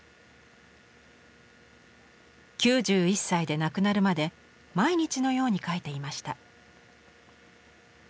９１歳で亡くなるまで毎日のように描いていました。